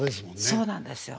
そうなんですよ。